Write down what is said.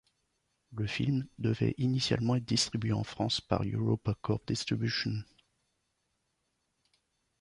Le film devait initialement être distribué en France par EuropaCorp Distribution.